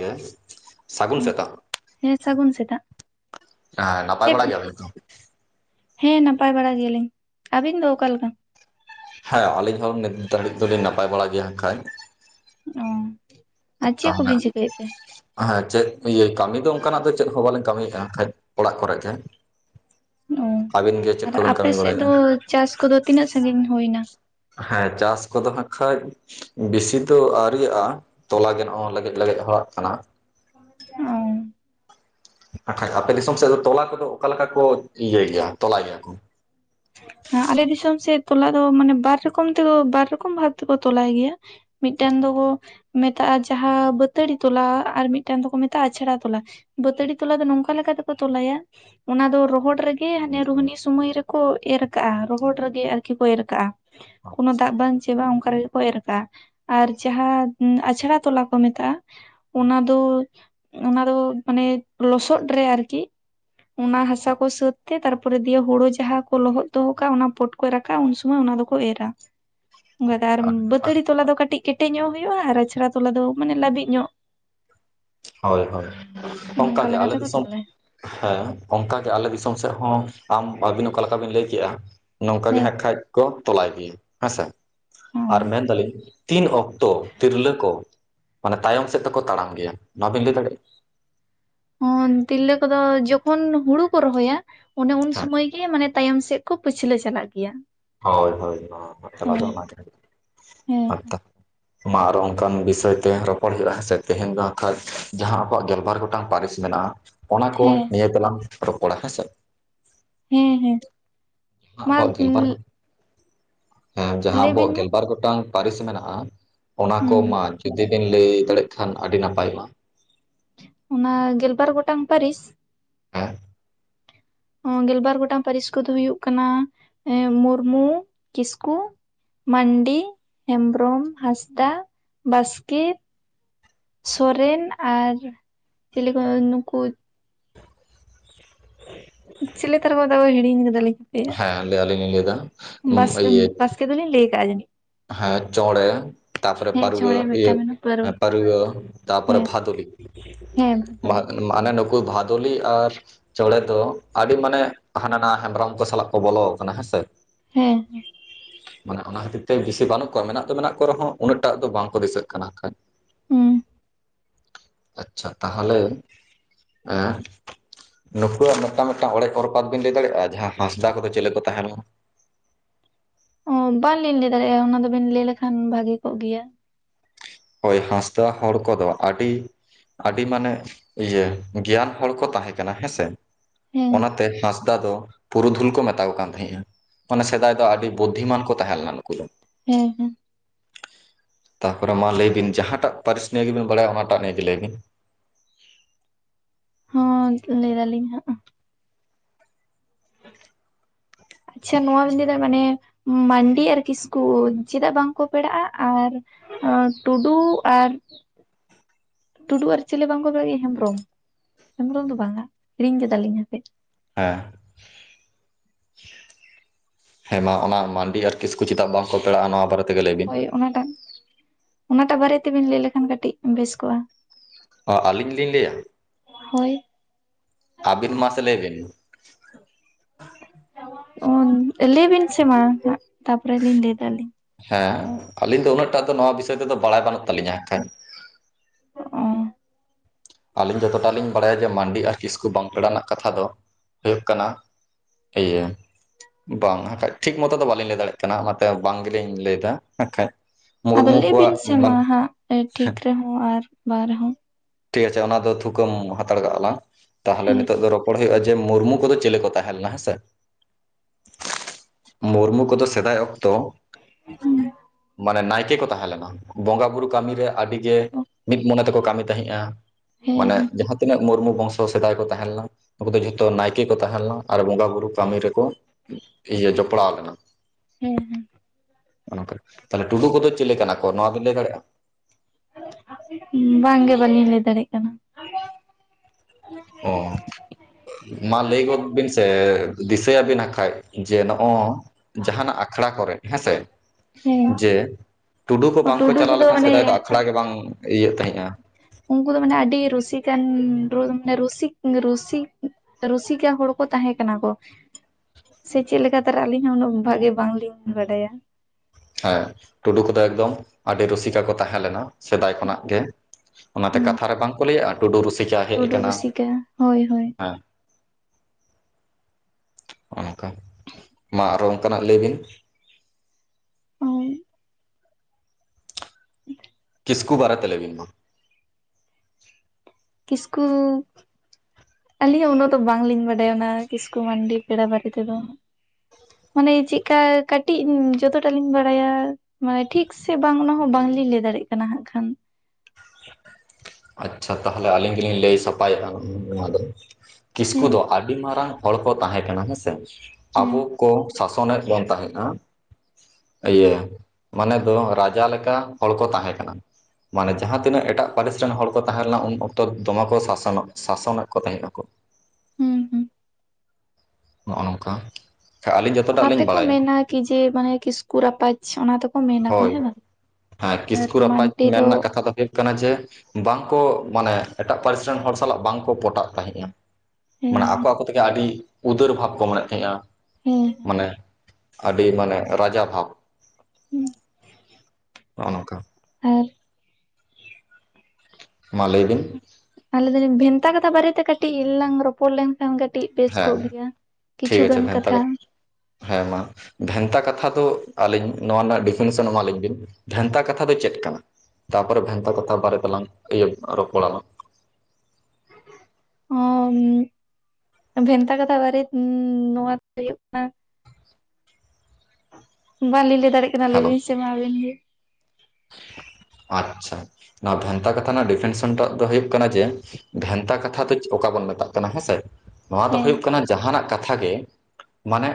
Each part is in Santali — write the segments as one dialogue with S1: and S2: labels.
S1: ᱭᱮᱥ ᱥᱟᱹᱜᱩᱱ
S2: ᱦᱩᱸ,
S1: ᱥᱮᱛᱟᱜ᱾
S2: ᱦᱮᱸ ᱥᱟᱜᱩᱱ ᱥᱮᱛᱟᱜ᱾
S1: ᱟᱸ ᱱᱟᱯᱟᱭ
S2: ᱪᱮᱫ
S1: ᱵᱟᱲᱟ ᱜᱮᱭᱟᱵᱮᱱ ᱛᱚ?
S2: ᱦᱮᱸ ᱱᱟᱯᱟᱭ ᱵᱟᱲᱟ ᱜᱮᱭᱟᱞᱤᱧ, ᱟᱵᱤᱱ ᱫᱚ ᱚᱠᱟᱞᱮᱠᱟ?
S1: ᱦᱮᱸ ᱚᱹᱞᱤᱧ ᱦᱚᱸ ᱱᱤᱛ ᱫᱷᱟᱹᱨᱤᱡ ᱫᱚ ᱞᱤᱧ ᱱᱟᱯᱟᱭ ᱵᱟᱲᱟ ᱜᱮᱭᱟ ᱦᱟᱸᱜᱠᱷᱟᱡᱽ᱾
S2: ᱚᱸ
S1: ᱳ ᱛᱟᱦᱚᱞᱮ ᱦᱮᱸ ᱪᱮᱫ ᱤᱭᱟᱹ ᱠᱟᱢᱤ ᱫᱚ ᱚᱱᱠᱟᱱᱟᱜ ᱫᱚ ᱪᱮᱫ ᱦᱚᱸ ᱵᱟᱞᱤᱧ ᱠᱟᱹᱢᱤᱭᱮᱫᱼᱟ ᱚᱲᱟᱜ ᱠᱚᱨᱮ ᱜᱮ᱾
S2: ᱚᱸ
S1: ᱟᱹᱵᱤᱱ ᱜᱮ ᱪᱮᱫ
S2: ᱟᱨ
S1: ᱠᱚᱵᱤᱱ
S2: ᱟᱯᱮ
S1: ᱠᱟᱹᱢᱤ
S2: ᱥᱮᱫ
S1: ᱵᱟᱲᱟᱭᱮᱫᱼᱟ?
S2: ᱫᱚ ᱪᱟᱥ ᱠᱚᱫᱚ ᱛᱤᱱᱟᱹᱜ ᱥᱟᱺᱜᱤᱧ ᱦᱩᱭ ᱱᱟ?
S1: ᱦᱮᱸ ᱪᱟᱥ ᱠᱚᱫᱚ ᱦᱟᱸᱜ ᱠᱷᱟᱡᱽ ᱵᱮᱥᱤ ᱫᱚ ᱟᱣᱤᱭᱟᱜᱼᱟ ᱛᱚᱞᱟ ᱜᱮ ᱱᱚᱜ ᱚᱸ ᱞᱟᱜᱮᱡ ᱞᱮᱜᱮᱡ ᱦᱟᱲᱟᱜ ᱠᱟᱱᱟ᱾
S2: ᱚ
S1: ᱟᱸᱠᱷᱟᱡ ᱟᱯᱮ ᱫᱤᱥᱚᱢ ᱥᱮᱫ ᱫᱚ ᱛᱚᱞᱟ ᱠᱚᱫᱚ ᱚᱠᱟ ᱞᱮᱠᱟ ᱠᱚ ᱤᱭᱟᱹ ᱜᱮᱭᱟ ᱛᱚᱞᱟᱭ ᱜᱮᱭᱟ ᱠᱚ?
S2: ᱟᱞᱮ ᱫᱤᱥᱚᱢ ᱥᱮᱫ ᱛᱚᱞᱟ ᱫᱚ ᱢᱟᱱᱮ ᱵᱟᱨ ᱨᱚᱠᱚᱢ ᱛᱮ ᱵᱟᱨ ᱨᱚᱠᱚᱢ ᱵᱷᱟᱵ ᱛᱮ ᱠᱚ ᱛᱚᱞᱟᱭ ᱜᱮᱭᱟ᱾ ᱢᱤᱫ ᱴᱮᱱ ᱫᱚᱠᱚ ᱢᱮᱛᱟᱜᱼᱟ ᱡᱟᱦᱟᱸ ᱵᱟᱹᱛᱟᱹᱲᱤ ᱛᱚᱞᱟ ᱟᱨ ᱢᱤᱫ ᱴᱟᱝ ᱫᱚᱠᱚ ᱢᱮᱛᱟᱜᱼᱟ ᱟᱪᱷᱲᱟ ᱛᱚᱞᱟ᱾ ᱵᱟᱹᱛᱟᱹᱲᱤ ᱛᱚᱞᱟ ᱫᱚ ᱱᱚᱝᱠᱟ ᱞᱮᱠᱟᱛᱮ ᱠᱚ ᱛᱚᱞᱟᱭᱟ ᱚᱱᱟ ᱫᱚ ᱨᱚᱦᱚᱲ ᱨᱮ ᱜᱮ ᱦᱟᱱᱮ ᱨᱩᱦᱩᱱᱤ ᱥᱩᱢᱚᱭ ᱨᱮ ᱠᱚ ᱮᱨᱟ᱾ ᱠᱟᱜᱼᱟ ᱨᱚᱦᱚᱲ ᱨᱮ ᱜᱮ ᱟᱨᱠᱤ ᱠᱚ ᱮᱨ ᱠᱟᱜᱼᱟ ᱠᱳᱱᱳ
S1: ᱟᱪᱪᱷᱟ
S2: ᱫᱟᱜ ᱵᱟᱝ ᱪᱮ ᱵᱟᱝ ᱚᱱᱠᱟ ᱨᱮ ᱜᱮ ᱠᱚ ᱮᱨ ᱠᱟᱜᱼᱟ ᱟᱨ ᱡᱟᱦᱟᱸ ᱟᱪᱷᱲᱟ ᱛᱚᱞᱟ ᱠᱚ ᱢᱮᱛᱟᱜᱼᱟ᱾ ᱚᱱᱟ ᱫᱚ, ᱚᱱᱟ ᱫᱚ ᱢᱟᱱᱮ ᱞᱚᱥᱚᱫ ᱨᱮ ᱟᱨᱠᱤ ᱚᱱᱟ ᱦᱟᱥᱟᱠᱩ ᱥᱟᱹᱛ ᱛᱮ ᱛᱟᱨᱯᱚᱨᱮ ᱫᱤᱭᱟᱹ ᱦᱳᱲᱳ ᱡᱟᱦᱟᱸ ᱠᱚ ᱞᱚᱦᱚᱫ ᱫᱚᱦᱚ ᱠᱟᱜᱼᱟ ᱚᱱᱟ ᱯᱚᱴᱠᱚᱭ ᱨᱟᱠᱟᱵᱼᱟ ᱩᱱ ᱥᱩᱢᱚᱭ ᱚᱱᱟ ᱫᱚᱠᱚ ᱮᱨᱟ ᱚᱱᱠᱟ ᱟᱨ
S1: ᱟᱹᱰᱤ ᱱᱟᱯᱟᱭ
S2: ᱵᱟᱹᱛᱟᱹᱲᱤ ᱛᱚᱞᱟ ᱫᱚ ᱠᱟᱹᱴᱤᱡ ᱠᱮᱴᱮᱡ ᱧᱚᱜ ᱦᱩᱭᱩᱜᱼᱟ ᱟᱨ ᱟᱪᱷᱟᱲᱟ ᱛᱚᱞᱟ ᱫᱚ ᱢᱟᱱᱮ ᱞᱟᱹᱵᱤᱫ ᱧᱚᱜ᱾
S1: ᱦᱳᱭ ᱦᱳᱭ ᱚᱱᱠᱟ
S2: ᱱᱚᱝᱠᱟ
S1: ᱜᱮ
S2: ᱞᱮᱠᱟ
S1: ᱟᱞᱮ
S2: ᱛᱮᱠᱚ
S1: ᱫᱤᱥᱚᱢ
S2: ᱛᱚᱞᱟᱭᱟ
S1: ᱦᱮᱸ ᱚᱱᱠᱟ ᱜᱮ ᱟᱞᱮ ᱫᱤᱥᱚᱢ ᱥᱮᱫ ᱦᱚᱸ ᱟᱢ ᱟᱵᱤᱱ ᱚᱠᱟ ᱞᱮᱠᱟ ᱵᱤᱱ ᱞᱟᱹᱭ ᱠᱮᱼᱟ᱾ ᱱᱚᱝᱠᱟ ᱜᱮ
S2: ᱦᱮᱸ
S1: ᱦᱟᱸᱜ ᱠᱷᱟᱡ ᱠᱚ ᱛᱚᱞᱟᱭ ᱜᱮᱭᱟ ᱦᱮᱸ ᱥᱮ᱾ ᱟᱨ ᱢᱮᱱ ᱫᱟᱞᱤᱧ ᱛᱤᱱ ᱚᱠᱛᱚ ᱛᱤᱨᱞᱟᱹ ᱠᱚ ᱢᱟᱱᱮ ᱛᱟᱭᱚᱢ ᱥᱮᱫ ᱛᱮᱠᱚ ᱛᱟᱲᱟᱢ ᱜᱮᱭᱟ ᱱᱚᱣᱟ ᱵᱤᱱ ᱞᱟᱹᱭ ᱫᱟᱲᱮᱭᱟᱜᱼᱟ?
S2: ᱚᱱ ᱛᱤᱨᱞᱟᱹ ᱠᱚᱫᱚ ᱡᱚᱠᱷᱚᱱ ᱦᱩᱲᱩ ᱠᱚ ᱨᱚᱦᱚᱭᱟ ᱚᱱᱮ ᱩᱱ
S1: ᱦᱮᱸ
S2: ᱥᱩᱢᱟᱹᱭ ᱜᱤ ᱢᱟᱱᱮ ᱛᱟᱭᱚᱢ ᱥᱮᱫ ᱠᱩ ᱯᱟᱹᱪᱷᱞᱟᱹ ᱪᱟᱞᱟᱜ ᱜᱮᱭᱟ᱾
S1: ᱦᱳᱭ ᱦᱳᱭ ᱢᱟ ᱛᱮᱞᱟ ᱫᱚ
S2: ᱦᱳᱭ
S1: ᱚᱱᱟ ᱜᱮ
S2: ᱦᱮᱸ
S1: ᱟᱛᱛᱟ᱾ ᱢᱟ ᱟᱨᱚ ᱚᱱᱠᱟᱱ ᱵᱤᱥᱚᱭ ᱛᱮ ᱨᱚᱯᱚᱲ ᱦᱩᱭᱩᱜᱼᱟ ᱦᱮ ᱥᱮ ᱛᱮᱦᱮᱧ ᱫᱚ ᱦᱟᱸᱜ ᱠᱷᱟᱡ ᱡᱟᱦᱟᱸ ᱟᱵᱚᱣᱟᱜ ᱜᱮᱞᱵᱟᱨ ᱜᱚᱴᱟᱝ ᱯᱟᱨᱤᱥ ᱢᱮᱱᱟᱜᱼᱟ ᱚᱱᱟ ᱠᱚ
S2: ᱦᱮᱸ
S1: ᱱᱤᱭᱟᱹ ᱛᱮᱞᱟᱝ ᱨᱚᱯᱚᱲᱟ ᱦᱮᱸᱥᱮ᱾
S2: ᱦᱩᱸ ᱦᱩᱸ
S1: ᱟᱵᱚᱣᱟᱜ ᱜᱮᱞᱵᱟᱨ ᱜᱚᱴᱟᱝ ᱦᱮᱸ ᱡᱟᱦᱟᱸ
S2: ᱞᱟᱹᱭ ᱵᱤᱱ
S1: ᱟᱵᱚᱣᱟᱜ
S2: ᱢᱟ
S1: ᱜᱮᱞᱵᱟᱨ ᱜᱚᱴᱟᱝ ᱯᱟᱨᱤᱥ ᱢᱮᱱᱟᱜᱼᱟ ᱚᱱᱟ
S2: ᱦᱩᱸ
S1: ᱠᱚᱢᱟ ᱡᱩᱫᱤ ᱵᱤᱧ ᱞᱟᱹᱭ ᱫᱟᱲᱮᱭᱟᱜ ᱠᱷᱟᱱ ᱟᱹᱰᱤ ᱱᱟᱯᱟᱭᱚᱜᱼᱟ᱾
S2: ᱚᱱᱟ ᱜᱮᱞᱵᱟᱨ ᱜᱚᱴᱟᱝ ᱯᱟᱹᱨᱤᱥ?
S1: ᱦᱮᱸ
S2: ᱚᱸ ᱜᱮᱞᱵᱟᱨ ᱜᱚᱴᱟᱝ ᱯᱟᱹᱨᱤᱥ ᱠᱚᱫᱚ ᱦᱩᱭᱩᱜ ᱠᱟᱱᱟ ᱢᱩᱨᱢᱩ, ᱠᱤᱥᱠᱩ ᱢᱟᱱᱰᱤ, ᱦᱮᱢᱵᱨᱚᱢ, ᱦᱟᱸᱥᱫᱟ, ᱵᱟᱥᱠᱮ, ᱥᱚᱨᱮᱱ ᱟᱨ ᱪᱮᱞᱮᱠᱚ ᱱᱩᱠᱩ ᱪᱤᱞᱮ ᱛᱟᱨᱟᱨ ᱠᱚ ᱢᱮᱛᱟᱠᱚᱣᱟ ᱦᱤᱲᱤᱧ ᱠᱟᱫᱟᱞᱤᱧ᱾ ᱦᱟᱯᱮᱭᱟ
S1: ᱦᱮᱸ ᱟᱹᱞᱤᱧ ᱞᱤᱧ ᱞᱟᱹᱭ ᱮᱫᱟ᱾
S2: ᱵᱟᱥ ᱵᱟᱥᱠᱮ ᱫᱚᱞᱤᱧ ᱞᱟᱹᱭ ᱠᱟᱫᱟ᱾ ᱡᱟᱱᱤᱡ
S1: ᱦᱮᱸ ᱪᱚᱬᱮᱸ, ᱛᱟᱯᱚᱨᱮ ᱯᱟᱨᱣᱟᱹ
S2: ᱪᱚᱬᱮ ᱢᱤᱫᱴᱟᱝ ᱢᱮᱱᱟᱜᱼᱟ ᱯᱟᱹᱨᱣᱟᱹ
S1: ᱦᱮᱸ ᱯᱟᱨᱤᱭᱟᱹ ᱛᱟᱯᱚᱨᱮ
S2: ᱦᱮᱸ
S1: ᱵᱷᱽᱟᱫᱩᱞᱤ,
S2: ᱦᱮᱸ ᱵᱷᱟᱫᱩᱞᱤ
S1: ᱢᱟᱱᱮ ᱱᱩᱠᱩ ᱵᱷᱟᱫᱚᱞᱤ ᱟᱨ ᱪᱚᱬᱮᱸ ᱫᱚ ᱟᱹᱰᱤ ᱢᱟᱱᱮ ᱦᱟᱱᱟ ᱱᱚᱣᱟ ᱦᱮᱢᱵᱨᱚᱢ ᱠᱚ ᱥᱟᱞᱟ-ᱜ ᱠᱚ ᱵᱚᱞᱚ ᱠᱟᱱᱟ᱾ ᱦᱮᱸ ᱥᱮ
S2: ᱦᱮᱸ
S1: ᱢᱟᱱᱮ ᱚᱱᱟ ᱠᱷᱟᱹᱛᱤᱨ ᱛᱮ, ᱵᱮᱥᱤ ᱵᱟᱹᱱᱩᱜ ᱠᱚᱣᱟ᱾ ᱢᱮᱱᱟᱜ ᱫᱚ ᱢᱮᱱᱟᱜ ᱠᱚ ᱨᱮᱦᱚᱸ ᱩᱱᱟᱹᱜ ᱴᱟᱜ ᱫᱚ ᱵᱟᱝᱠᱚ ᱫᱤᱥᱟᱹᱜ ᱠᱟᱱᱟ᱾
S2: ᱦᱩᱸ
S1: ᱟᱪᱪᱷᱟ ᱛᱟᱦᱚᱞᱮ ᱟᱨ ᱱᱩᱠᱩᱣᱟ-ᱜ ᱢᱤᱫᱴᱟᱝ, ᱢᱤᱫᱴᱟᱝ ᱚᱲᱮᱡ ᱚᱨᱯᱟᱛ ᱵᱤᱱ ᱞᱟᱹᱭ ᱫᱟᱲᱮᱭᱟᱜᱼᱟ᱾ ᱡᱟᱦᱟᱸ ᱦᱟᱸᱥᱫᱟ ᱠᱚᱼᱫᱚ ᱪᱮᱞᱮ ᱠᱚ ᱛᱟᱦᱮᱸ ᱠᱟᱱᱟ᱾
S2: ᱚ ᱵᱟᱝᱞᱤᱧ ᱞᱟᱹᱭ ᱫᱟᱲᱮᱭᱟᱜᱼᱟ᱾ ᱚᱱᱟ ᱫᱚᱵᱤᱱ ᱞᱟᱹᱭ ᱞᱮᱠᱷᱟᱱ ᱵᱷᱟᱜᱤ ᱠᱚᱜ ᱜᱮᱭᱟ᱾
S1: ᱦᱳᱭ ᱦᱟᱸᱥᱫᱟ ᱦᱚᱲ ᱠᱚᱼᱫᱚ ᱟᱹᱰᱤ ᱟᱹᱰᱤ ᱢᱟᱱᱮ ᱤᱭᱟᱹ ᱜᱮᱭᱟᱱ ᱦᱚᱲ ᱠᱚ ᱛᱟᱦᱮᱸ ᱠᱟᱱᱟ᱾ ᱦᱮᱸᱥᱮ
S2: ᱦᱮᱸ
S1: ᱚᱱᱟᱛᱮ ᱦᱟᱸᱥᱫᱟ ᱫᱚ᱾ ᱯᱩᱨᱩᱫᱷᱩᱞ ᱠᱚ ᱢᱮᱛᱟ ᱠᱚ ᱠᱟᱱ ᱛᱟᱦᱮᱸ ᱠᱟᱱᱟ ᱾ ᱢᱟᱱᱮ ᱥᱮᱫᱟᱭ ᱫᱚ ᱟᱹᱰᱤ ᱵᱩᱫᱽᱫᱷᱤᱢᱟᱱ ᱠᱚ ᱛᱟᱦᱮᱸ ᱞᱮᱱᱟ᱾ ᱱᱩᱠᱩ ᱫᱚ᱾
S2: ᱦᱮᱸ, ᱦᱩᱸ
S1: ᱛᱟᱯᱚᱨᱮ ᱢᱟ ᱞᱟᱹᱭ ᱵᱤᱱ, ᱡᱟᱦᱟᱸ ᱴᱟᱜ ᱯᱟᱹᱨᱤᱥ ᱱᱤᱭᱮ ᱜᱮᱵᱤᱱ ᱵᱟᱲᱟᱭᱟ᱾ ᱚᱱᱟᱴᱟ-ᱜ ᱱᱤᱭᱮ ᱜᱮ ᱞᱟᱹᱭ ᱵᱤᱱ?
S2: ᱦᱚᱸ ᱞᱟᱹᱭ ᱫᱟᱞᱤᱧ ᱦᱟᱸᱜ ᱟᱪᱪᱷᱟ ᱱᱚᱣᱟ ᱵᱮᱤᱱ ᱞᱟᱹᱭᱫᱟ ᱢᱟᱱᱮ ᱢᱟᱱᱰᱤ ᱟᱨ ᱠᱤᱥᱠᱩ ᱪᱮᱫᱟ-ᱜ ᱵᱟᱝᱠᱚ ᱯᱮᱲᱟᱜᱼᱟ? ᱟᱨ ᱴᱩᱰᱩ ᱟᱨ ᱴᱩᱰᱩ ᱟᱨ ᱪᱤᱞᱤ ᱵᱟᱝᱠᱚ ᱵᱟᱲᱟᱜ ᱜᱮᱭᱟ ᱦᱮᱢᱵᱨᱚᱢ? ᱦᱮᱢᱵᱨᱚᱢ ᱫᱚ ᱵᱟᱝᱼᱟ᱾ ᱦᱤᱲᱤᱧ ᱠᱮᱫᱟᱞᱤᱧ ᱦᱟᱯᱮ
S1: ᱦᱮᱸ ᱦᱮᱸᱢᱟ ᱚᱱᱟ ᱢᱟᱱᱰᱤ ᱟᱨ ᱠᱤᱥᱠᱩ ᱪᱮᱫᱟᱜ ᱵᱟᱝᱠᱚ ᱯᱮᱲᱟᱜᱼᱟ ᱾ ᱱᱚᱣᱟ ᱵᱟᱨᱮ ᱛᱮᱜᱮ ᱞᱟᱹᱭ ᱵᱤᱱ᱾
S2: ᱦᱳᱭ ᱚᱱᱟᱴᱟᱜ, ᱚᱱᱟᱴᱟᱜ ᱵᱟᱨᱮ ᱛᱮᱵᱤᱱ ᱞᱟᱹᱭ ᱞᱮᱠᱷᱟᱱ ᱾ ᱠᱟᱹᱴᱤᱡ ᱵᱮᱥ ᱠᱚᱜᱼᱟ᱾
S1: ᱟᱹᱞᱤᱧ ᱞᱤᱧ ᱞᱟᱹᱭᱟ᱾
S2: ᱦᱳᱭ
S1: ᱟᱹᱵᱤᱱ ᱢᱟᱥᱮ ᱞᱟᱹᱭ ᱵᱤᱱ?
S2: [unintelligible] ᱚ ᱞᱟᱹᱭ ᱵᱤᱱ ᱥᱮ ᱢᱟ ᱾ ᱛᱟᱯᱚᱨᱮ ᱟᱞᱤᱧ ᱞᱟᱹᱭ ᱫᱟᱞᱤᱧ᱾
S1: ᱦᱮᱸ ᱟᱞᱤᱧ ᱫᱚ ᱩᱱᱟᱹᱜ ᱴᱟᱜ ᱫᱚ᱾ᱱᱚᱣᱟ ᱵᱤᱥᱚᱭ ᱛᱮᱫᱚ ᱵᱟᱲᱟᱭ ᱵᱟᱹᱱᱩᱜ ᱛᱟᱹᱞᱤᱧᱟ᱾ ᱠᱷᱟᱱ
S2: ᱚ
S1: ᱟᱹᱞᱤᱧ ᱡᱚᱛᱚᱴᱟ ᱞᱤᱧ ᱵᱟᱲᱟᱭᱟ᱾ ᱡᱮ ᱢᱟᱱᱰᱤ ᱟᱨ ᱠᱤᱥᱠᱩ ᱵᱟᱝ ᱯᱮᱲᱟᱸ ᱨᱮᱱᱟᱜ ᱠᱟᱛᱷᱟ ᱫᱚ ᱾ ᱦᱩᱭᱩᱜ ᱠᱟᱱᱟ᱾ ᱤᱭᱟᱹ ᱵᱟᱝ ᱦᱠᱷᱟᱡ [unintelligible] ᱴᱷᱤᱠ ᱢᱚᱛᱚ ᱫᱚ ᱵᱟᱞᱤᱧ ᱞᱟᱹᱭ ᱫᱟᱲᱮᱭᱟ-ᱜ ᱠᱟᱱᱟ᱾ ᱚᱱᱟᱛᱮ ᱵᱟᱝ ᱜᱮᱞᱤᱧ ᱞᱟᱹᱭ ᱮᱟ᱾ ᱦᱟᱜᱠᱷᱟᱡ
S2: ᱟᱫᱚ ᱞᱟᱹᱭ ᱵᱤᱱ ᱥᱮ ᱢᱟ ᱦᱟᱸᱜ, ᱴᱷᱤᱠ ᱨᱮᱦᱚᱸ ᱟᱨ ᱵᱟᱝ ᱨᱮᱦᱚᱸ᱾
S1: ᱴᱷᱤᱠ ᱟᱪᱷᱮ ᱚᱱᱟ ᱫᱚ ᱛᱷᱽᱩᱠᱟᱹᱢ ᱦᱟᱛᱟᱲ ᱠᱟᱜᱼᱟᱞᱟᱝ᱾ ᱛᱟᱦᱚᱞᱮ
S2: ᱦᱮᱸ
S1: ᱱᱤᱛᱚᱜ ᱫᱚ ᱨᱚᱯᱚᱲ ᱦᱩᱭᱩᱜᱼᱟ᱾ ᱡᱮ ᱢᱩᱨᱢᱩ ᱠᱚᱼᱫᱚ ᱪᱤᱞᱮ ᱠᱚ ᱛᱟᱦᱮᱸ ᱞᱮᱱᱟ᱾ ᱦᱮᱸᱥᱮ ᱢᱩᱨᱢᱩ ᱠᱚᱼᱫᱚ ᱥᱮᱫᱟᱭ ᱚᱠᱛᱚ᱾ ᱢᱟᱱᱮ ᱱᱟᱭᱠᱮ ᱠᱚ ᱛᱟᱦᱮᱸ ᱞᱮᱱᱟ᱾ ᱵᱚᱸᱜᱟ ᱵᱩᱨᱩᱳ ᱠᱟᱹᱢᱤᱨᱮ, ᱟᱹᱰᱤᱜᱮ ᱢᱤᱫ ᱢᱚᱱᱮ ᱛᱮᱠᱚ ᱠᱟᱹᱢᱤ ᱛᱟᱦᱮᱡᱼᱟ᱾ ᱢᱟᱱᱮ
S2: ᱦᱮᱸ
S1: ᱡᱟᱦᱟᱸ ᱛᱤᱱᱟᱹᱜ ᱢᱩᱨᱢᱩ ᱵᱚᱝᱽᱥᱚ ᱥᱮᱫᱟᱭ ᱠᱚ ᱛᱟᱦᱮᱸ ᱞᱮᱱᱟ᱾ ᱱᱩᱠᱩ ᱫᱚ ᱡᱷᱚᱛᱚ ᱱᱟᱭᱠᱮ ᱠᱚ ᱛᱟᱦᱮᱸ ᱞᱮᱱᱟ᱾ ᱟᱨ ᱵᱚᱸᱜᱟ ᱵᱩᱨᱩ ᱠᱟᱹᱢᱤ ᱨᱮᱠᱚ ᱤᱭᱟᱹ ᱡᱚᱯᱲᱟᱣ ᱞᱮᱱᱟ᱾
S2: ᱦᱮᱸ, ᱦᱮᱸ
S1: ᱛᱟᱦᱚᱞᱮ ᱴᱩᱰᱩ ᱠᱚᱫᱚ ᱪᱮᱞᱮ ᱠᱚᱱᱟ ᱠᱚ ᱱᱚᱣᱟ ᱵᱤᱱ ᱞᱟᱹᱭ ᱫᱟᱲᱮᱜᱼᱟ
S2: ᱵᱟᱝᱜᱮ ᱵᱟᱹᱞᱤᱧ ᱞᱟᱹᱭ ᱫᱟᱲᱮᱜ ᱠᱟᱱᱟ
S1: ᱚ ᱢᱟ ᱞᱟᱹᱭ ᱜᱚᱫᱽ ᱵᱤᱱ ᱥᱮ ᱫᱤᱥᱟᱹᱭᱟᱵᱤᱱ ᱦᱟᱜ ᱠᱷᱟᱱᱡ ᱡᱮ ᱱᱚᱜ ᱚ ᱡᱟᱦᱱᱟᱜ ᱟᱠᱷᱲᱟ ᱠᱚᱨᱮᱜ ᱦᱮᱸᱥᱮ᱾
S2: ᱦᱮᱸ
S1: ᱡᱮ ᱴᱩᱰᱩ ᱠᱚ ᱵᱟᱝᱠᱚ
S2: ᱴᱩᱰᱩ
S1: ᱪᱟᱞᱟᱣ
S2: ᱠᱚᱫᱚ
S1: ᱞᱮᱠᱷᱟᱱ
S2: ᱚᱱᱮ
S1: ᱥᱮᱫᱟᱭ ᱫᱚ ᱟᱠᱷᱲᱟ ᱜᱮ ᱵᱟᱝ ᱤᱭᱟᱹᱜ ᱛᱟᱦᱮᱸᱜᱼᱟ
S2: ᱩᱱᱠᱩ ᱫᱚ ᱢᱟᱱᱮ ᱟᱹᱰᱤ ᱨᱩᱥᱤᱠᱟᱱ ᱢᱟᱱᱮ ᱨᱩᱥᱤᱠ ᱨᱩᱥᱤᱠ ᱨᱩᱥᱤᱠᱟ ᱦᱚᱲ ᱠᱚ ᱛᱟᱦᱮᱸ ᱠᱟᱱᱟ ᱠᱚ᱾ ᱥᱮ ᱪᱮᱫ ᱞᱮᱠᱟ ᱛᱮᱨᱟ ᱟᱹᱞᱤᱧ ᱦᱚᱸ ᱩᱱᱟᱹᱜ ᱵᱷᱟᱜᱮ ᱵᱟᱝᱞᱤᱧ ᱵᱟᱰᱟᱭᱟ᱾
S1: ᱦᱮᱸ, ᱴᱩᱰᱩ ᱠᱚᱫᱚ ᱮᱠᱫᱚᱢ ᱟᱹᱰᱤ ᱨᱩᱥᱤᱠᱟ ᱠᱚ ᱛᱟᱦᱮᱸ ᱞᱮᱱᱟ᱾ ᱥᱮᱫᱟᱭ ᱠᱷᱚᱱᱟᱜ ᱜᱮ, ᱚᱱᱟᱛᱮ
S2: ᱦᱩᱸ
S1: ᱠᱟᱛᱷᱟ ᱨᱮ ᱵᱟᱝ ᱠᱚ ᱞᱟᱹᱭᱟᱹᱜᱼᱟ᱾ ᱴᱩᱰᱩ ᱨᱩᱥᱤᱠᱟ ᱦᱮᱡ
S2: ᱴᱩᱰᱩ
S1: ᱠᱟᱱᱟ
S2: ᱨᱩᱥᱤᱠᱟ ᱦᱳᱭ ᱦᱳᱭ
S1: ᱦᱮᱸ᱾ ᱢᱟ ᱟᱨᱚ ᱚᱱᱠᱟᱱᱟᱜ ᱞᱟᱹᱭ ᱵᱤᱱ᱾ ᱠᱤᱥᱠᱩ ᱵᱟᱨᱮ ᱛᱮ ᱞᱮᱵᱤᱱ ᱢᱟ᱾
S2: ᱠᱤᱥᱠᱩ ᱟᱹᱞᱤᱧ ᱦᱚᱸ ᱩᱱᱟᱹᱜ ᱫᱚ ᱵᱟᱝ ᱞᱤᱧ ᱵᱟᱰᱟᱭ ᱚᱱᱟ ᱠᱤᱥᱠᱩ ᱢᱟᱱᱰᱤ ᱯᱮᱲᱟ ᱵᱟᱨᱮ ᱛᱮᱫᱚ᱾ ᱢᱟᱱᱮ ᱪᱮᱫᱠᱟ ᱠᱟᱹᱴᱤᱡ ᱡᱚᱛᱚᱴᱟ ᱞᱤᱧ ᱵᱟᱲᱟᱭᱟ᱾ ᱢᱟᱱᱮ ᱴᱷᱤᱠ ᱥᱮ ᱵᱟᱝ ᱚᱱᱟ ᱦᱚᱸ ᱵᱟᱝᱞᱤᱧ ᱞᱟᱹᱭ ᱫᱟᱲᱮᱜ ᱠᱟᱱᱟ ᱦᱟᱸᱜ ᱠᱷᱟᱱ᱾
S1: ᱟᱪᱪᱷᱟ ᱛᱟᱦᱚᱞᱮ ᱟᱹᱞᱤᱧ ᱜᱮᱞᱤᱧ ᱞᱟᱹᱭ ᱥᱟᱯᱷᱟᱭᱮᱜᱼᱟ ᱱᱚᱣᱟ ᱫᱚ᱾ ᱠᱤᱥᱠᱩ
S2: ᱦᱮᱸ
S1: ᱫᱚ ᱟᱹᱰᱤ ᱢᱟᱨᱟᱝ ᱦᱚᱲ ᱠᱚ ᱛᱟᱦᱮᱸ ᱠᱟᱱᱟ ᱦᱮᱸ ᱥᱮ
S2: ᱦᱮᱸ
S1: ᱟᱵᱚ ᱠᱚ ᱥᱟᱥᱚᱱᱮᱫ ᱵᱚᱱ ᱛᱟᱦᱮᱸᱜᱼᱟ᱾ ᱤᱭᱟᱹ
S2: ᱦᱩᱸ
S1: ᱢᱟᱱᱮ ᱫᱚ ᱨᱟᱡᱟ ᱞᱮᱠᱟ ᱦᱚᱲ ᱠᱚ ᱛᱟᱦᱮᱸ ᱠᱟᱱᱟ᱾ ᱢᱟᱱᱮ ᱡᱟᱦᱟᱸ ᱛᱤᱱᱟᱹᱜ ᱮᱴᱟᱜ ᱯᱟᱹᱨᱤᱥ ᱪᱮᱱ ᱦᱚᱲ ᱠᱚ ᱛᱟᱦᱮᱸ ᱞᱮᱱᱟ ᱩᱱ ᱚᱠᱛᱚ ᱫᱚᱢᱮ ᱠᱚ ᱥᱟᱥᱚᱱᱚᱜ ᱥᱟᱥᱚᱱᱮᱜ ᱠᱚ ᱛᱟᱦᱮᱸ ᱱᱩᱠᱩ
S2: ᱦᱩᱸ ᱦᱩᱸ᱾
S1: ᱱᱚᱜᱼᱚ ᱱᱚᱝᱠᱟ ᱟᱹᱞᱤᱧ ᱡᱚᱛᱚᱴᱟᱜ
S2: ᱚᱱᱟ
S1: ᱞᱤᱧ
S2: ᱛᱮᱠᱚ
S1: ᱵᱟᱲᱟᱭᱟ
S2: ᱢᱮᱱᱟ ᱠᱤ ᱡᱮ ᱢᱟᱱᱮ ᱠᱤᱥᱠᱩ ᱨᱟᱯᱟᱡᱽ ᱚᱱᱟ ᱛᱮᱠᱚ ᱢᱮᱱᱟ ᱠᱚ
S1: ᱦᱳᱭ
S2: ᱦᱮᱸ ᱵᱟᱝ᱾
S1: ᱦᱮᱸ
S2: ᱟᱨ
S1: ᱠᱤᱥᱠᱩ ᱨᱟᱯᱟᱡ
S2: ᱢᱟᱱᱰᱤ
S1: ᱢᱮᱱ ᱨᱮᱱᱟᱜ ᱠᱟᱛᱷᱟ ᱫᱚ ᱠᱟᱹᱡ ᱠᱟᱱᱟ ᱡᱮ ᱵᱟᱝ ᱠᱚ ᱢᱟᱱᱮ ᱮᱴᱟᱜ ᱯᱟᱹᱨᱥᱤ ᱨᱮᱱ ᱦᱚᱲ ᱥᱟᱞᱟᱜ ᱵᱟᱝ ᱠᱚ ᱯᱚᱴᱟᱜ ᱛᱟᱦᱮᱸᱜᱼᱟ᱾ ᱢᱟᱱᱮ ᱟᱠᱚ
S2: ᱦᱮᱸ
S1: ᱟᱠᱚ ᱛᱮᱜᱮ ᱟᱹᱰᱤ ᱩᱫᱟᱹᱨ ᱵᱷᱟᱵ ᱠᱚ ᱢᱚᱱᱮᱫ ᱛᱟᱦᱮᱸᱼᱟ
S2: ᱦᱮᱸ
S1: ᱢᱟᱱᱮ ᱟᱹᱰᱤ ᱢᱟᱱᱮ ᱨᱟᱡᱟ ᱵᱷᱟᱵᱽ
S2: ᱦᱮᱸ
S1: ᱱᱚᱜᱼᱚ ᱱᱚᱝᱠᱟ᱾
S2: ᱟᱨ
S1: ᱢᱟ ᱞᱟᱹᱭᱵᱤᱱ
S2: ᱟᱨ ᱞᱟᱭ ᱫᱤᱧ ᱵᱷᱮᱱᱛᱟ ᱠᱟᱛᱷᱟ ᱵᱟᱹᱨᱛᱮ ᱠᱟᱹᱴᱤᱡ ᱞᱟᱝ ᱨᱚᱯᱞᱮᱱ ᱠᱷᱟᱱ ᱠᱟᱹᱴᱤᱡ ᱵᱮᱥ
S1: ᱦᱮᱸ
S2: ᱠᱚᱜ ᱜᱮᱭᱟ ᱠᱤᱪᱷᱩ
S1: ᱴᱷᱤᱠ ᱟᱪᱷᱮ
S2: ᱜᱟᱱ
S1: ᱵᱷᱮᱱᱛᱟ
S2: ᱠᱟᱛᱷᱟ
S1: ᱦᱮᱸ ᱢᱟ ᱵᱷᱮᱱᱛᱟ ᱠᱟᱛᱷᱟ ᱫᱚ ᱟᱹᱞᱤᱧ ᱱᱚᱣᱟ ᱨᱮᱱᱟᱜ ᱰᱤᱯᱷᱤᱱᱮᱥᱚᱱ ᱮᱢᱟᱟᱞᱤᱧ ᱵᱤᱱ ᱵᱷᱮᱱᱛᱟ ᱠᱟᱛᱷᱟ ᱫᱚ ᱪᱮᱫ ᱠᱟᱱᱟ᱾ ᱛᱟᱯᱚᱨᱮ ᱵᱷᱮᱱᱛᱟ ᱠᱟᱛᱷᱟ ᱵᱟᱨᱮ ᱛᱮᱞᱟᱝ ᱤᱭᱟᱹ ᱨᱚᱯᱚᱲᱟᱞᱟᱝ᱾
S2: ᱚᱻ ᱵᱷᱮᱱᱛᱟ ᱠᱟᱛᱷᱟ ᱵᱟᱨᱮ ᱱᱚᱣᱟ ᱫᱚ ᱦᱳᱭᱳᱜ ᱠᱟᱱᱟ ᱵᱟᱝᱞᱤᱧ ᱞᱟᱹᱭ ᱫᱟᱲᱮᱜ ᱠᱟᱱᱟ, ᱞᱟᱹᱭ
S1: ᱦᱮᱞᱳ
S2: ᱵᱤᱱ ᱥᱮᱢᱟ ᱟᱹᱵᱤᱱ ᱜᱮ᱾
S1: ᱟᱪᱪᱷᱟ ᱱᱚᱣᱟ ᱵᱷᱮᱱᱛᱟ ᱠᱟᱛᱷᱟ ᱨᱮᱱᱟᱜ ᱰᱤᱯᱷᱮᱱᱥᱮᱱ ᱴᱟᱜ ᱫᱚ ᱦᱩᱭᱩᱜ ᱠᱟᱱᱟ ᱡᱮ᱾ ᱵᱷᱮᱱᱛᱟ ᱠᱟᱛᱷᱟ ᱫᱚ ᱚᱠᱟ ᱵᱚᱱ ᱢᱮᱛᱟᱜ ᱠᱟᱱᱟ ᱦᱮᱸᱥᱮ᱾ ᱱᱚᱣᱟ ᱫᱚ
S2: ᱦᱮᱸ
S1: ᱦᱳᱭᱳᱜ ᱠᱟᱱᱟ ᱡᱟᱦᱟ ᱱᱟᱜ ᱠᱟᱛᱷᱟ ᱜᱮ ᱢᱟᱱᱮ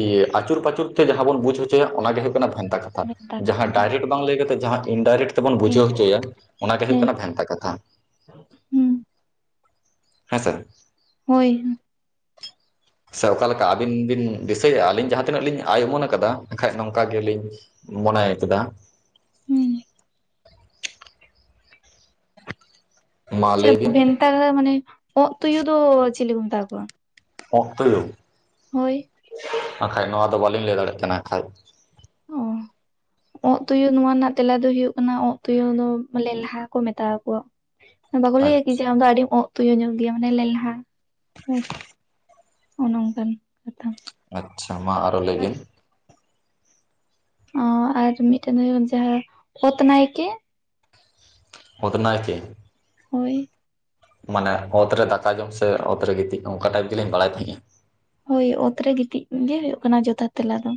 S1: ᱤᱭᱟᱹ ᱟᱪᱩᱨ ᱯᱪᱩᱨ ᱛᱮ ᱡᱟᱦᱟᱸ ᱵᱚᱱ ᱵᱩᱡ ᱦᱚᱪᱚᱭᱟ ᱚᱱᱟ ᱜᱮ ᱦᱳᱭᱳᱜ ᱠᱟᱱᱟ ᱵᱷᱮᱱᱛᱟ ᱠᱟᱛᱷᱟ᱾
S2: ᱵᱷᱮᱱᱛᱟ ᱠᱟᱛᱷᱟ
S1: ᱡᱟᱦᱟᱸ
S2: ᱦᱮᱸ
S1: ᱰᱟᱭᱨᱮᱠᱴ ᱵᱟᱝ ᱞᱟᱹᱭ ᱠᱟᱛᱮ, ᱡᱟᱦᱟᱸ ᱤᱱᱰᱟᱭᱨᱮᱠᱴ ᱛᱮᱵᱚᱱ ᱵᱩᱡᱷᱟᱹᱣ
S2: ᱦᱮᱸ
S1: ᱦᱚᱪᱚᱭᱟ ᱚᱱᱟ ᱜᱮ ᱦᱩᱭᱩᱜ ᱠᱟᱱᱟ ᱵᱷᱮᱱᱛᱟ ᱠᱟᱛᱷᱟ
S2: ᱦᱩᱸ
S1: ᱦᱮᱸᱥᱮ᱾
S2: ᱦᱳᱭ
S1: ᱥᱮ ᱚᱠᱟ ᱞᱮᱠᱟ ᱟᱹᱵᱤᱱ ᱵᱤᱱ ᱫᱤᱥᱟᱹᱭᱮᱜᱼᱟ, ᱟᱹᱞᱤᱧ ᱡᱟᱦᱟᱸ ᱛᱤᱱᱟᱹᱜ ᱞᱤᱧ ᱟᱭᱢᱟᱱ ᱠᱟᱫᱟ ᱠᱷᱟᱡ ᱱᱚᱝᱠᱟ ᱜᱮᱞᱤᱧ ᱢᱚᱱᱮᱭ ᱠᱮᱫᱟ᱾ ᱢᱟ
S2: ᱪᱮᱜ
S1: ᱞᱟᱹᱭ ᱵᱤᱱ
S2: ᱵᱷᱮᱱᱛᱟ ᱢᱟᱱᱮ ᱚᱸᱜ ᱛᱩᱭᱩ ᱫᱚ ᱪᱮᱞᱮ ᱠᱚ ᱢᱮᱛᱟ ᱠᱚᱣᱟ᱾
S1: ᱚᱸᱜ ᱛᱚᱭᱳ
S2: ᱦᱳᱭ
S1: ᱟᱠᱷᱟᱡ ᱱᱚᱣᱟ ᱫᱚ ᱵᱟᱹᱞᱤᱧ ᱞᱟᱹᱭ ᱫᱟᱲᱮᱭᱟᱜ ᱠᱟᱱᱟ ᱟᱠᱷᱟᱡ᱾
S2: ᱚᱻ ᱟᱸᱜ ᱛᱩᱭᱩ ᱱᱚᱣᱟ ᱨᱮᱱᱟᱜ ᱛᱮᱞᱟ ᱫᱚ ᱦᱩᱭᱩᱜ ᱠᱟᱱᱟ ᱚᱸᱜ ᱛᱳᱭᱳ ᱫᱚ ᱵᱚᱞᱮ ᱞᱟᱦᱟ ᱠᱚ ᱢᱮᱛᱟ ᱠᱚᱣᱟ᱾ ᱵᱟᱠᱚ
S1: ᱟᱪᱪᱷᱟ
S2: ᱞᱟᱹᱭᱟ ᱠᱤ ᱡᱮ ᱟᱢ ᱫᱚ ᱟᱹᱰᱤ [unintelligible] ᱛᱩᱭᱩ ᱧᱚᱜ ᱜᱮᱭᱟ ᱢᱟᱱᱮ ᱞᱮᱞᱦᱟ ᱟᱨᱠᱤ ᱱᱚᱝᱠᱟᱱ ᱠᱟᱛᱷᱟᱼᱼ
S1: ᱟᱪᱪᱷᱟ ᱢᱟ ᱟᱨᱦᱚ ᱞᱟᱹᱭ ᱵᱤᱱ
S2: ᱚᱸ ᱟᱨ ᱢᱤᱫᱴᱮᱱ ᱦᱩᱭᱩᱜ ᱡᱟᱦᱟᱸ ᱚᱛ ᱱᱟᱭᱠᱮ
S1: ᱚᱛ ᱱᱟᱭᱠᱮ
S2: ᱦᱳᱭ
S1: ᱢᱟᱱᱮ ᱚᱛ ᱨᱮ ᱫᱟᱠᱟ ᱡᱚᱢ ᱥᱮ ᱚᱛ ᱨᱮ ᱜᱤᱛᱤᱡ ᱚᱱᱠᱟ ᱴᱟᱭᱤᱯ ᱜᱮᱞᱤᱧ ᱵᱟᱲᱟᱭ ᱛᱟᱦᱮᱸᱜᱼᱟ
S2: ᱦᱳᱭ ᱚᱛ ᱨᱮ ᱜᱤᱛᱤᱡ ᱜᱮ ᱦᱩᱭᱩᱜ ᱠᱟᱱᱟ ᱡᱚᱛᱷᱟᱛ ᱛᱮᱞᱟ ᱫᱚᱼᱼ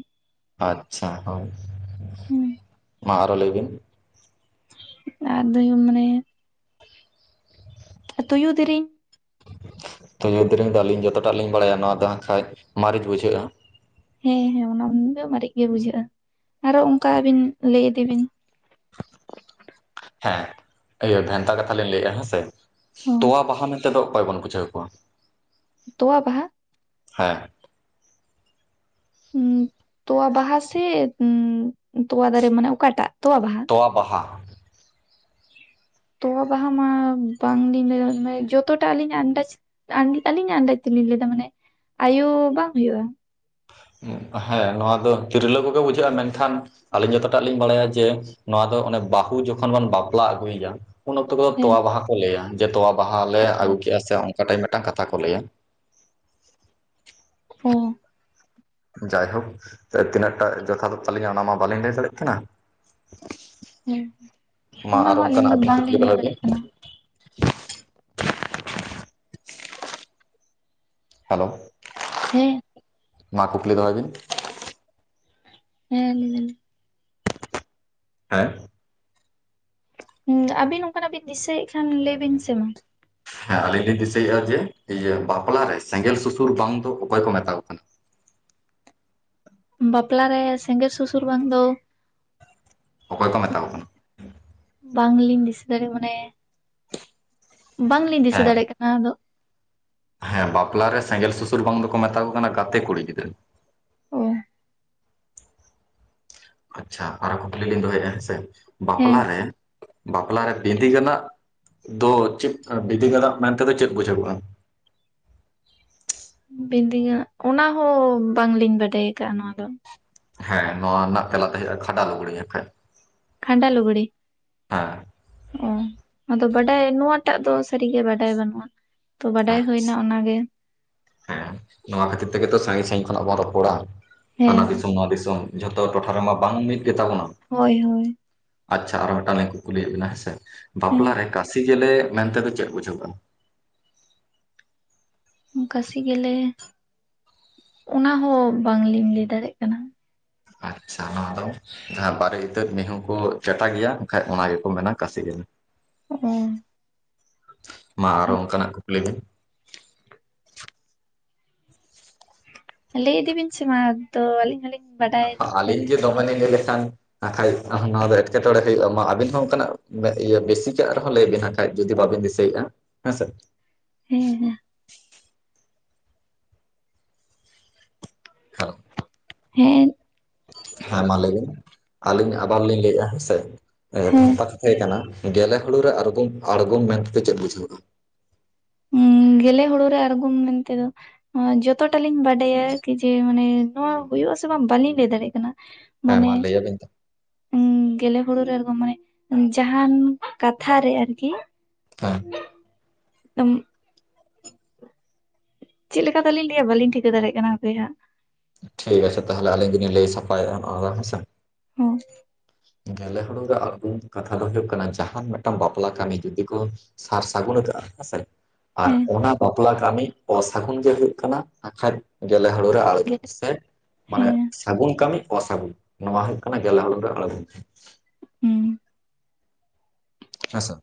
S1: ᱟᱪᱪᱷᱟ ᱦᱳᱭ
S2: ᱦᱮᱸ
S1: ᱢᱟ ᱟᱨᱦᱚᱸ ᱞᱟᱹᱭ ᱵᱤᱱ
S2: ᱟᱫᱚᱧ ᱢᱚᱱᱮᱭᱟ ᱛᱩᱭᱩ ᱫᱤᱨᱤᱧᱼᱼ
S1: ᱛᱩᱛᱩ ᱰᱮᱨᱮᱝ ᱫᱚ ᱟᱹᱞᱤᱧ ᱡᱚᱛᱚᱴᱟᱜ ᱞᱤᱧ ᱵᱟᱲᱟᱭᱟ ᱱᱚᱣᱟ ᱫᱚ ᱠᱷᱟᱡ ᱢᱟᱨᱤᱪ ᱵᱩᱡᱷᱟᱹᱜᱼᱟ
S2: ᱦᱮᱸ ᱦᱮᱸ ᱚᱱᱟ ᱫᱚ ᱢᱟᱨᱤᱪ ᱜᱮ ᱵᱩᱡᱷᱟᱹᱜᱼᱟ ᱟᱨᱚ ᱚᱱᱠᱟ ᱟᱹᱵᱤᱱ ᱞᱟᱹᱭ ᱤᱫᱤ ᱵᱤᱱᱼᱼ
S1: ᱦᱮᱸ ᱤᱭᱟᱹ ᱵᱷᱮᱱᱛᱟ ᱠᱟᱛᱷᱟ ᱞᱤᱧ ᱞᱟᱹᱭᱮᱜᱼᱟ ᱦᱮᱸᱥᱮ
S2: ᱦᱚᱸ
S1: ᱛᱚᱣᱟ ᱵᱟᱦᱟ ᱢᱮᱱᱛᱮᱫ ᱫᱚ ᱚᱠᱚᱭ ᱵᱚᱱ ᱵᱩᱡᱷᱟᱹᱣ ᱠᱚᱣᱟ
S2: ᱛᱚᱣᱟ ᱵᱟᱦᱟ
S1: ᱦᱮᱸ
S2: ᱦᱩᱸ ᱛᱚᱣᱟ ᱵᱟᱦᱟ ᱥᱮ ᱛᱚᱣᱟ ᱫᱟᱨᱮ ᱢᱟᱱᱮ ᱚᱠᱟᱴᱟᱜ ᱛᱚᱣᱟ ᱵᱟᱦᱟ
S1: ᱛᱚᱣᱟ ᱵᱟᱦᱟ
S2: [inaudible] ᱛᱚᱣᱟ ᱵᱟᱦᱟ ᱢᱟ ᱵᱟᱝᱞᱤᱧ ᱞᱟᱹᱭ ᱫᱟᱲᱮᱭᱟᱜ ᱡᱚᱛᱚᱴᱟ ᱟᱞᱤᱧ ᱟᱱᱫᱟᱡᱽ [unintelligible] ᱟᱹᱞᱤᱧᱟᱜ ᱟᱱᱫᱟᱡᱽ ᱛᱮᱞᱤᱧ ᱞᱟᱹᱭᱟ ᱢᱟᱱᱮ ᱟᱭᱳ ᱵᱟᱝ ᱦᱩᱭᱩᱜᱼᱟ
S1: ᱦᱮᱸ ᱱᱚᱣᱟ ᱫᱚ ᱛᱤᱨᱞᱟᱹ ᱠᱚᱜᱮ ᱵᱩᱡᱷᱟᱹᱜᱼᱟ ᱢᱮᱱ ᱠᱷᱟᱱᱼᱼ ᱟᱹᱞᱤᱧ ᱡᱚᱛᱚᱴᱟᱜ ᱞᱤᱧ ᱵᱟᱲᱟᱭᱟ ᱡᱮ ᱱᱚᱣᱟ ᱫᱚ ᱚᱱᱮ ᱵᱟᱹᱦᱩ ᱡᱚᱠᱷᱚᱱ ᱵᱚᱱ ᱵᱟᱯᱞᱟ ᱟᱹᱜᱩᱭ ᱮᱭᱟ ᱩᱱ ᱚᱠᱛᱚ ᱠᱚᱫᱚ
S2: ᱦᱮᱸ
S1: ᱛᱳᱣᱟ ᱵᱟᱦᱟ ᱠᱚ ᱞᱟᱹᱭᱟ ᱡᱮ ᱛᱚᱣᱟ ᱵᱟᱦᱟ ᱞᱮ ᱟᱹᱜᱩ ᱠᱮᱼᱟ ᱥᱮ ᱚᱱᱠᱟ ᱴᱟᱜ ᱢᱤᱫᱴᱟᱝ ᱠᱟᱛᱷᱟ ᱠᱚ ᱞᱟᱹᱭᱟ
S2: ᱳᱻ
S1: ᱡᱟᱭᱦᱳᱠ ᱛᱤᱱᱟᱹᱜᱴᱟ ᱡᱚᱛᱷᱟᱛ ᱛᱟᱹᱞᱤᱧᱟ ᱚᱱᱟ ᱢᱟ ᱵᱟᱹᱞᱤᱧ ᱞᱟᱹᱭ ᱫᱟᱲᱮᱭᱟᱜ ᱠᱟᱱᱟ
S2: ᱦᱮᱸ
S1: ᱢᱟ
S2: ᱚᱱᱟ ᱦᱚᱸ
S1: ᱟᱨᱦᱚᱸ
S2: ᱟᱹᱞᱤᱧ
S1: ᱚᱱᱠᱟᱱᱟᱜ
S2: ᱫᱚ
S1: ᱟᱹᱵᱤᱱ ᱠᱩᱠᱞᱤ
S2: ᱵᱟᱝᱞᱤᱧ ᱞᱟᱹᱭ
S1: ᱫᱚᱦᱚᱭ ᱵᱤᱱ
S2: ᱫᱟᱲᱮᱭᱟᱜ ᱠᱟᱱᱟ
S1: ᱦᱮᱞᱳ
S2: ᱦᱮᱸ
S1: ᱢᱟ ᱠᱩᱠᱞᱤ ᱫᱚᱦᱚᱭ ᱵᱤᱱ
S2: ᱦᱮᱸ ᱞᱟᱭ ᱫᱟᱞᱤᱧ
S1: ᱦᱮᱸ
S2: ᱦᱮᱸ ᱟᱵᱤᱱ ᱚᱱᱠᱟᱱᱟᱜ ᱵᱤᱱ ᱫᱤᱥᱟᱹᱭ ᱮᱫ ᱠᱷᱟᱱ ᱞᱟᱹᱭ ᱵᱤᱱ ᱥᱮ ᱢᱟ
S1: ᱦᱮᱸ ᱟᱹᱞᱤᱧ ᱞᱤᱧ ᱫᱤᱥᱟᱹᱭᱮᱫᱼᱟ ᱡᱮ ᱤᱭᱟᱹ ᱵᱟᱯᱞᱟ ᱨᱮ ᱥᱮᱸᱜᱮᱞ ᱥᱩᱥᱩᱨ ᱵᱟᱱ ᱫᱚ ᱚᱠᱚᱭ ᱠᱚ ᱢᱮᱛᱟᱣ ᱠᱚ ᱠᱟᱱᱟ
S2: ᱵᱟᱯᱞᱟ ᱨᱮ ᱥᱮᱸᱜᱮᱞ ᱥᱩᱥᱩᱨ ᱵᱟᱱ ᱫᱚᱼᱼ
S1: ᱚᱠᱚᱭ ᱠᱚ ᱢᱮᱛᱟ ᱠᱚ ᱠᱟᱱᱟ
S2: ᱵᱟᱝ ᱞᱤᱧ ᱫᱤᱥᱟᱹ ᱫᱟᱲᱮᱭᱟᱜᱼᱟ ᱢᱟᱱᱮ ᱵᱟᱝᱞᱤᱧ ᱫᱤᱥᱟᱹ
S1: ᱦᱮᱸ
S2: ᱫᱟᱲᱮᱭᱟᱜ ᱠᱟᱱᱟ ᱟᱫᱚᱼᱼ
S1: ᱦᱮᱸ ᱵᱟᱯᱞᱟ ᱨᱮ ᱥᱮᱸᱜᱮᱞ ᱥᱩᱥᱩᱨ ᱵᱟᱝ ᱫᱚᱠᱚ ᱢᱮᱛᱟ ᱠᱚ ᱠᱟᱱᱟ ᱜᱟᱛᱮ ᱠᱩᱲᱤ ᱜᱤᱫᱽᱨᱟᱹ ᱾
S2: ᱚ
S1: ᱟᱪᱷᱟ ᱟᱨᱦᱚᱸ ᱠᱩᱠᱞᱤ ᱞᱤᱧ ᱫᱚᱦᱚᱭᱮᱫᱼᱟ ᱦᱮᱸᱥᱮ
S2: ᱦᱮᱸ
S1: ᱵᱟᱯᱞᱟᱨᱮ ᱵᱟᱯᱞᱟᱨᱮ ᱵᱤᱫᱤᱜᱟᱱᱟᱜ ᱫᱚ ᱪᱮᱫ ᱵᱤᱫᱤᱜᱟᱱᱟᱜ ᱢᱮᱱᱛᱮᱫᱚ ᱪᱮᱫ ᱵᱩᱡᱷᱟᱹᱜᱚᱜᱼᱟ?
S2: ᱵᱤᱱᱫᱤ ᱜᱟᱱᱟᱜ ᱚᱱᱟ ᱦᱚᱸ ᱵᱟᱝᱞᱤᱧ ᱵᱟᱰᱟᱭ ᱟᱠᱟᱫᱼᱟ ᱱᱚᱣᱟ ᱫᱚ ᱾
S1: ᱦᱮᱸ ᱱᱚᱣᱟ ᱨᱮᱱᱟᱜ ᱛᱮᱞᱟᱛᱮ ᱦᱩᱭᱩᱜᱼᱟ ᱠᱷᱟᱰᱟ ᱞᱩᱜᱽᱲᱤ ᱾
S2: ᱠᱷᱟᱱᱰᱟ ᱞᱩᱜᱽᱲᱤ ᱾
S1: ᱦᱮᱸ ᱾
S2: ᱚᱸᱻ ᱟᱫᱚ ᱵᱟᱰᱟᱭ ᱱᱚᱣᱟᱴᱟᱜ ᱫᱚ ᱥᱟᱹᱨᱤᱜᱮ ᱵᱟᱰᱟᱭ ᱵᱟᱹᱱᱩᱜᱼᱟ ᱾ ᱛᱚ ᱵᱟᱰᱟᱭ
S1: ᱟᱪᱪᱷᱟ
S2: ᱦᱩᱭᱱᱟ ᱚᱱᱟᱜᱮ ᱾
S1: ᱦᱮᱸ ᱱᱚᱣᱟ ᱠᱷᱟᱹᱛᱤᱨ ᱛᱮᱜᱮ ᱛᱚ ᱥᱟᱺᱜᱤᱧ ᱥᱟᱺᱜᱤᱧ ᱠᱷᱚᱱᱟᱜ ᱵᱚᱱ ᱨᱚᱯᱚᱲᱟ
S2: ᱦᱮᱸ
S1: ᱦᱟᱱᱟ ᱫᱤᱥᱚᱢ ᱱᱚᱣᱟ ᱫᱤᱥᱚᱢ ᱾ ᱡᱷᱚᱛᱚ ᱴᱚᱴᱷᱟ ᱨᱮᱢᱟ ᱵᱟᱝ ᱢᱤᱫ ᱜᱮ ᱛᱟᱵᱚᱱᱟ ᱾
S2: ᱦᱳᱭ ᱦᱳᱭ ᱾
S1: ᱟᱪᱷᱟ ᱟᱨᱚ ᱢᱤᱫᱴᱟᱝ ᱞᱤᱧ ᱠᱩ ᱠᱩᱞᱤᱭᱮᱫ ᱵᱤᱱᱟ ᱦᱮᱸᱥᱮ
S2: ᱦᱮᱸ
S1: ᱵᱟᱯᱞᱟ ᱨᱮ ᱠᱟᱹᱥᱤ ᱜᱮᱞᱮ ᱢᱮᱱᱛᱮ ᱫᱚ ᱪᱮᱫ ᱵᱩᱡᱷᱟᱹᱜᱼᱟ?
S2: ᱠᱟᱥᱤ ᱜᱮᱞᱮ ᱚᱱᱟ ᱦᱚᱸ ᱵᱟᱝᱞᱤᱧ ᱞᱟᱹᱭ ᱫᱟᱲᱮᱭᱟᱜ ᱠᱟᱱᱟ᱾
S1: ᱟᱪᱷᱟ ᱱᱚᱣᱟ ᱫᱚ ᱡᱟᱦᱟᱸ ᱵᱟᱨᱮ ᱤᱛᱟᱹᱫ ᱢᱤᱦᱩ ᱠᱚ ᱪᱮᱴᱟ ᱜᱮᱭᱟ ᱮᱱᱠᱷᱟᱡ ᱚᱱᱟ ᱜᱮᱠᱚ ᱢᱮᱱᱟ ᱠᱟᱹᱥᱤ ᱜᱮᱞᱮ᱾
S2: ᱚᱸᱻ᱾
S1: ᱢᱟ ᱟᱨᱦᱚ ᱚᱱᱠᱟᱱᱟᱜ ᱠᱩᱠᱞᱤ ᱵᱤᱱ?
S2: ᱞᱟᱹᱭ ᱤᱫᱤ ᱵᱤᱱ ᱥᱮ ᱢᱟ ᱛᱚ ᱟᱹᱞᱤᱧ ᱦᱚᱞᱤᱧ ᱵᱟᱰᱟᱭ
S1: ᱟᱹᱞᱤᱧ ᱜᱮ ᱫᱚᱢᱮ ᱞᱤᱧ ᱞᱟᱹᱭ ᱞᱮᱠᱷᱟᱱ ᱟᱨᱠᱷᱟᱡ ᱱᱚᱣᱟ ᱫᱚ ᱮᱴᱠᱮᱴᱚᱬᱮ ᱦᱩᱭᱩᱜᱼᱟ ᱾ ᱢᱟ ᱟᱵᱤᱱ ᱦᱚᱸ ᱚᱱᱠᱟᱱᱟᱜ ᱤᱭᱟᱹ ᱵᱮᱥᱤᱠᱟᱜ ᱨᱮᱦᱚᱸ ᱞᱟᱹᱭ ᱵᱤᱱ᱾ ᱠᱷᱟᱡ ᱡᱩᱫᱤ ᱵᱟᱵᱤᱱ ᱫᱤᱥᱟᱹᱭᱮᱫᱼᱟ ᱦᱮᱸ ᱥᱮ ᱾
S2: ᱦᱮᱸ ᱦᱮᱸ
S1: ᱦᱮᱞᱳ ᱾
S2: ᱦᱮᱸᱻ᱾
S1: ᱦᱮᱸ ᱢᱟ ᱞᱟᱹᱭ ᱵᱮᱱ ᱟᱹᱞᱤᱧ ᱟᱵᱟᱨ ᱞᱤᱧ ᱞᱟᱹᱭᱮᱜᱼᱟ ᱦᱮᱸ ᱥᱮ
S2: ᱦᱮᱸ
S1: ᱵᱷᱮᱱᱛᱟ ᱛᱟᱦᱮᱸ ᱠᱟᱱᱟ ᱜᱮᱞᱮ ᱦᱩᱲᱩ ᱨᱮ ᱟᱬᱜᱚᱢ ᱟᱬᱜᱚᱢ ᱢᱮᱱᱛᱮ ᱪᱮᱫ ᱵᱩᱡᱷᱟᱹᱣᱼᱟ?
S2: ᱦᱩᱸ ᱜᱮᱞᱮ ᱦᱩᱲᱩ ᱨᱮ ᱟᱬᱜᱚᱢ ᱢᱮᱱᱛᱮ ᱫᱚ ᱡᱚᱛᱚᱴᱟ ᱞᱤᱧ ᱵᱟᱰᱟᱭᱟ ᱠᱤ ᱡᱮ ᱢᱟᱱᱮ ᱱᱚᱣᱟ ᱦᱩᱭᱩᱜᱼᱟ ᱥᱮ ᱵᱟᱝ ᱵᱟᱹᱞᱤᱧ ᱞᱟᱹᱭ ᱫᱟᱲᱮᱭᱟᱜ ᱠᱟᱱᱟ᱾
S1: ᱦᱮᱸ
S2: ᱢᱟᱱᱮ
S1: ᱢᱟ ᱞᱟᱹᱭᱟᱵᱤᱱ ᱛᱚ᱾
S2: ᱜᱮᱞᱮ ᱦᱩᱲᱩ ᱨᱮ ᱟᱬᱜᱚᱢ ᱢᱟᱱᱮ ᱡᱟᱦᱟᱱ ᱠᱟᱛᱷᱟ ᱨᱮ ᱟᱨᱠᱤ
S1: ᱟ᱾
S2: ᱛᱢ [inaudible] ᱪᱮᱫ ᱞᱮᱠᱟ ᱛᱟᱞᱤᱧ ᱞᱟᱹᱭᱟ ᱵᱟᱞᱤᱧ ᱴᱷᱤᱠᱟᱹ ᱫᱟᱲᱮᱭᱟᱜ ᱠᱟᱱᱟ ᱦᱟᱯᱮ ᱦᱟᱜ ᱾
S1: ᱴᱷᱤᱠ ᱟᱪᱷᱮ ᱛᱟᱦᱚᱞᱮ ᱟᱹᱞᱤᱧ ᱜᱮᱞᱤᱧ ᱞᱟᱹᱭ ᱥᱟᱯᱷᱟᱭ ᱮᱟ ᱱᱚᱣᱟ ᱫᱚ ᱦᱮᱸᱥᱮ᱾
S2: ᱦᱩᱸ ᱾
S1: ᱜᱞᱮ ᱦᱩᱲᱩ ᱨᱮ ᱟᱬᱜᱚᱢ ᱠᱟᱛᱷᱟ ᱫᱚ ᱦᱩᱭᱩᱜ ᱠᱟᱱᱟ ᱡᱟᱸᱦᱟᱱ ᱢᱤᱫᱴᱟᱝ ᱵᱟᱯᱞᱟ ᱠᱟᱹᱢᱤ ᱡᱩᱫᱤ ᱠᱚ ᱥᱟᱨ ᱥᱟᱜᱩᱱ ᱟᱠᱟᱜᱼᱟ ᱦᱮᱸᱥᱮ ᱟᱨ
S2: ᱦᱮᱸ
S1: ᱚᱱᱟ ᱵᱟᱯᱞᱟ ᱠᱟᱹᱢᱤ ᱚᱥᱟᱹᱜᱩᱱ ᱜᱮ ᱦᱩᱭᱩᱜ ᱠᱟᱱᱟ ᱟᱷᱪᱟ ᱡᱤ ᱜᱮᱞᱮ ᱦᱩᱲᱩ ᱨᱮ ᱟᱬᱜᱚᱢ
S2: ᱦᱮᱸ
S1: ᱥᱮ ᱢᱟᱱᱮ
S2: ᱦᱮᱸ
S1: ᱥᱟᱹᱜᱩᱱ ᱠᱟᱹᱢᱤ ᱚᱥᱟᱹᱜᱩᱱ ᱱᱚᱣᱟ ᱦᱩᱭᱩᱜ ᱠᱟᱱᱟ ᱜᱮᱞᱮ ᱦᱩᱲᱩ ᱨᱮ ᱟᱲᱜᱩᱢ᱾
S2: ᱦᱩᱸ
S1: ᱦᱮᱸᱥᱮ ᱾